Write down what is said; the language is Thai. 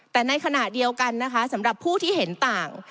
แต่ในขณะเดียวกันนะคะสำหรับผู้ที่เห็นต่าง